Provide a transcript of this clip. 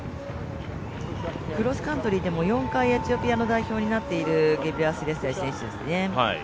クロスカントリーでも４回エチオピアの代表になっているゲブレシラシエ選手ですね。